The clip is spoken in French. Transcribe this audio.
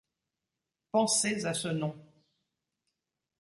Pensez à ce nom.